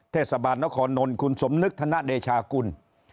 เทศบาลนครนนท์คุณสมนึกธนเดชากุล